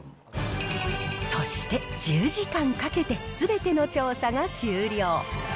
そして、１０時間かけてすべての調査が終了。